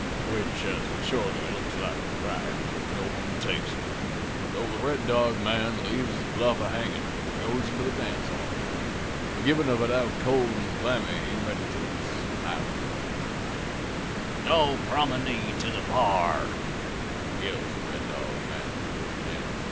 "Which, as it shorely looks like he's right, no one takes him. So the Red Dog man leaves his bluff a hangin' an' goes into the dance hall, a givin' of it out cold an' clammy he meditates libatin'. "'All promenade to the bar,' yells the Red Dog man as he goes in.